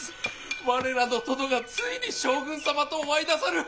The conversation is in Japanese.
我らの殿がついに将軍様とお会いなさる。